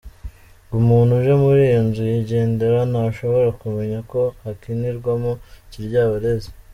Ngo umuntu uje muri iyo nzu yigendera, ntashobora kumenya ko hakinirwamo ikiryabarezi.